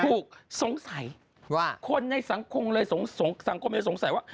ถูกสงสัยว่าคนในสังคมเลยสงสัยว่า